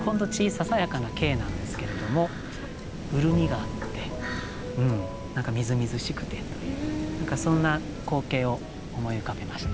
ささやかな景なんですけれども潤みがあって何かみずみずしくてという何かそんな光景を思い浮かべました。